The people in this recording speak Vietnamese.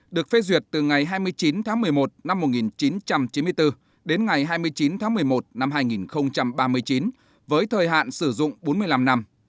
được phê duyệt từ ngày hai mươi chín tháng một mươi một năm một nghìn chín trăm chín mươi bốn đến ngày hai mươi chín tháng một mươi một năm hai nghìn một